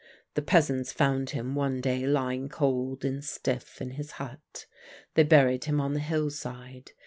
The peasants found him one day lying cold and stiff in his hut. They buried him on the hill side.